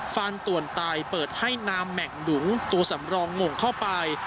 ฟันต่วนไตเปิดให้นามแหม่งหยุงตัวสำรองงเข้าไป